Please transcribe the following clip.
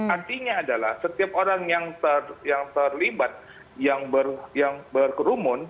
artinya adalah setiap orang yang terlibat yang berkerumun